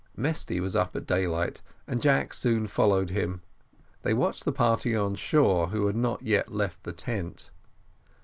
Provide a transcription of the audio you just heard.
Mesty was up at daylight and Jack soon followed him: they watched the party on shore, who had not yet left the tent.